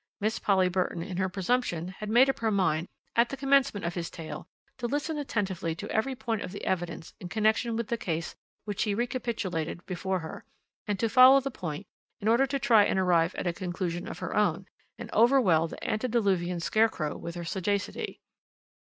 Miss Polly Burton, in her presumption, had made up her mind, at the commencement of his tale, to listen attentively to every point of the evidence in connection with the case which he recapitulated before her, and to follow the point, in order to try and arrive at a conclusion of her own, and overwhelm the antediluvian scarecrow with her sagacity.